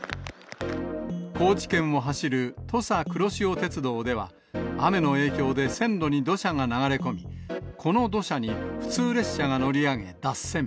高知県を走る土佐くろしお鉄道では、雨の影響で線路に土砂が流れ込み、この土砂に普通列車が乗り上げ、脱線。